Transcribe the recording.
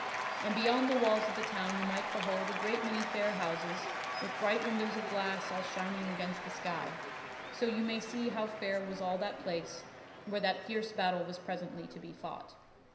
And beyond the walls of the town you might behold a great many fair houses with bright windows of glass all shining against the sky. So you may see how fair was all that place, where that fierce battle was presently to be fought.